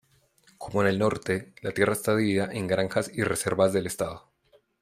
Como en el norte, la tierra está dividida en granjas y reservas del Estado.